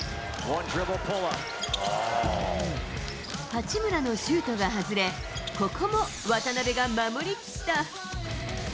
八村のシュートが外れ、ここも渡邊が守り切った。